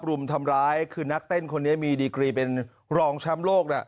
รุมทำร้ายคือนักเต้นคนนี้มีดีกรีเป็นรองแชมป์โลกน่ะ